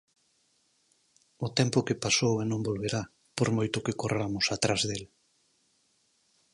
O tempo que pasou e non volverá, por moito que corramos atrás del.